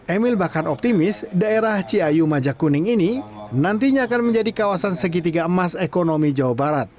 emil bahkan optimis daerah ciayu majak kuning ini nantinya akan menjadi kawasan segitiga emas ekonomi jawa barat